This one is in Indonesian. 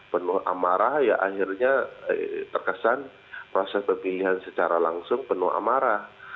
penuh amarah ya akhirnya terkesan proses pemilihan secara langsung penuh amarah